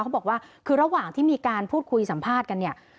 เขาบอกว่าคือระหว่างที่มีการพูดคุยสัมภาษณ์กันเนี่ย